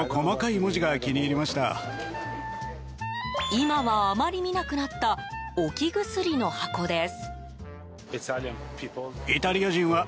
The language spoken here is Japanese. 今は、あまり見なくなった置き薬の箱です。